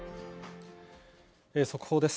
速報です。